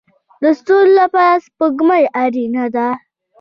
د ستورو لپاره سپوږمۍ اړین ده